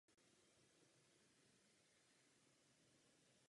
Toto není problém, který je možné vyřešit jednoduchým heslem.